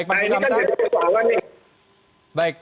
nah ini kan jadi persoalan nih